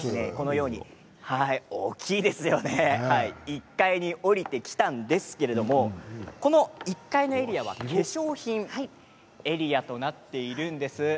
１階に降りてきたんですけれども１階のエリアは化粧品エリアとなっているんです。